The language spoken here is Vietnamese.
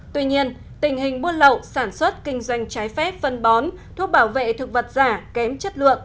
tuy nhiên tình hình buôn lậu sản xuất kinh doanh trái phép phân bón thuốc bảo vệ thực vật giả kém chất lượng